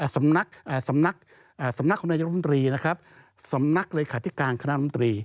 สำนักของนายกรัฐมนตรีสำนักเลยคติการคณะมนตรี